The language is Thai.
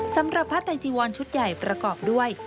สำหรับผ้าไตจีวอนชุดใหญ่ประกอบด้วย